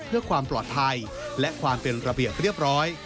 เพื่อความปลอดภัยและความเป็นระเบียบเรียบร้อย